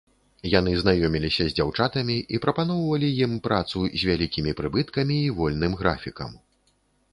Яны знаёміліся з дзяўчатамі і прапаноўвалі ім працу з вялікімі прыбыткамі і вольным графікам.